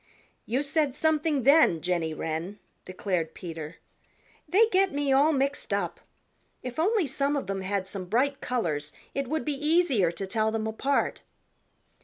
"You said something then, Jenny Wren," declared Peter. "They get me all mixed up. If only some of them had some bright colors it would be easier to tell them apart."